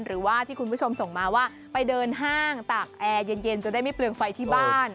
หรือว่าที่คุณผู้ชมส่งมาว่าไปเดินห้างตากแอร์เย็นจนได้ไม่เปลืองไฟที่บ้าน